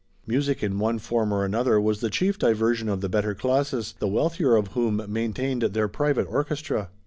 Music in one form or another was the chief diversion of the better classes, the wealthier of whom maintained their private orchestra.